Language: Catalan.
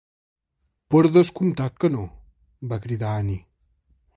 "Per descomptat que no", va cridar Annie.